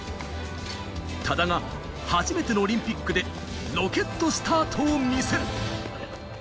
多田が初めてのオリンピックでロケットスタートを見せる。